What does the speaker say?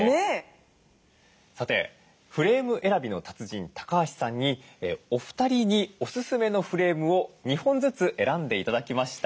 さてフレーム選びの達人橋さんにお二人にお勧めのフレームを２本ずつ選んで頂きました。